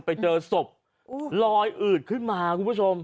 ไปเจอศพลอยอืดขึ้นมาคุณผู้ชม